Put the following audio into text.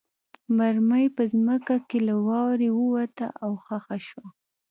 مرمۍ په ځمکه کې له واورې ووته او خښه شوه